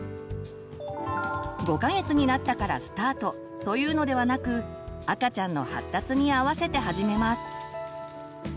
５か月になったからスタートというのではなく赤ちゃんの発達にあわせて始めます。